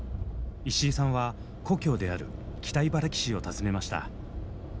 石井さんは故郷である北茨城市を訪ねました。